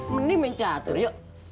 mending main catur yuk